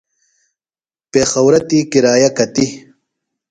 پیخورہ تی کِرایہ کتِیۡ؟